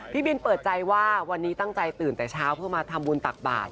พี่บินเปิดใจว่าวันนี้ตั้งใจตื่นแต่เช้าเพื่อมาทำบุญตักบาท